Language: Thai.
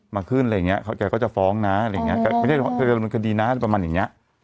มาขึ้นอะไรอย่างเงี้ยแกก็จะฟ้องนะอะไรอย่างเงี้ยอ๋อมันก็มันคดีนะประมาณอย่างเงี้ย